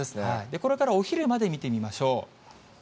これからお昼まで見てみましょう。